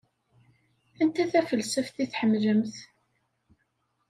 Anta tafelsaft i tḥemmlemt?